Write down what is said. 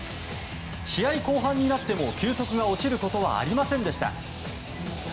試合後半になっても球速が落ちることはありませんでした。